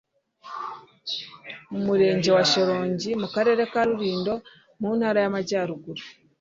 mu Murenge wa Shyorongi mu Karere ka Rulindo mu Ntara y'Amajyaruguru.